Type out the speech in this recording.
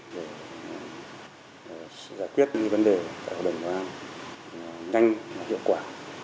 để giải quyết những vấn đề tại hội đồng bảo an nhanh và hiệu quả